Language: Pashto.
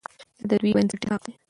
دا د دوی بنسټیز حق دی.